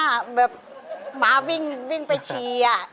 เหมือนหมาวิ่งวิ่งไปเชีย